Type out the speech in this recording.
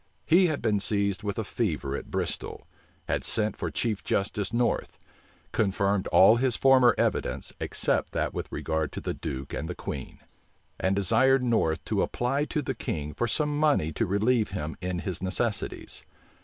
He had been seized with a fever at Bristol; had sent for Chief Justice North; confirmed all his former evidence, except that with regard to the duke and the queen; and desired North to apply to the king for some money to relieve him in his necessities.